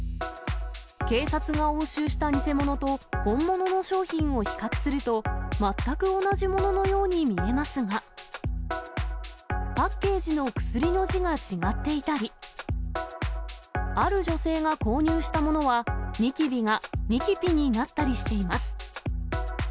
警察が押収した偽物と、本物の商品を比較すると、全く同じもののように見えますが、パッケージの薬の字が違っていたり、ある女性が購入したものは、ニキビがニキピになったりしています。